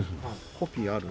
コピーある？